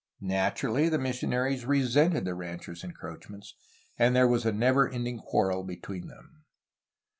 Naturally, the missionaries resented the ranchers' encroachments, and there was a never ending quarrel between them.